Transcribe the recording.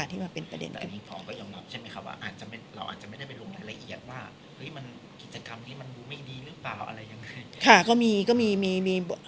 แต่นี่ฟองก็ยอมรับใช่ไหมค่ะว่าเราอาจจะไม่ได้ไปลงอะไรละเอียดว่ากิจกรรมนี้มันดูไม่ดีหรือเปล่าอะไรยังไง